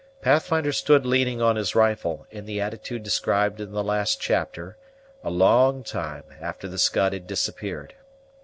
Pathfinder stood leaning on his rifle, in the attitude described in the last chapter, a long time after the Scud had disappeared.